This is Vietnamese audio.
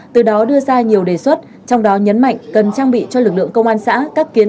từ đó đưa ra nhiều đề xuất trong đó nhấn mạnh cần trang bị cho lực lượng công an xã các kiến